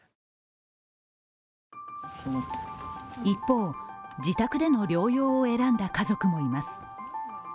一方、自宅での療養を選んだ家族もいます。